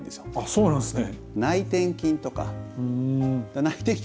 そうなんですか。